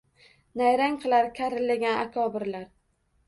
Nayrang qilar karillagan akobirlar